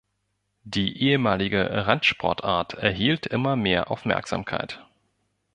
Die ehemalige Randsportart erhielt immer mehr Aufmerksamkeit.